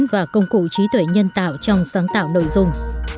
và công cụ trí tuệ nhân tạo trong sáng tạo nội dung